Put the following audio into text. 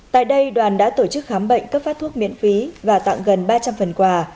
tại đây đoàn đã tổ chức khám bệnh cấp phát thuốc miễn phí và tặng gần ba trăm linh phần quà